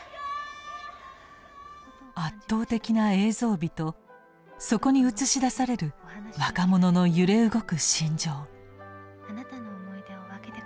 圧倒的な映像美とそこに映し出される若者の揺れ動く心情。